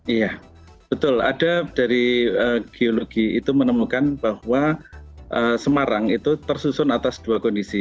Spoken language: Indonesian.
iya betul ada dari geologi itu menemukan bahwa semarang itu tersusun atas dua kondisi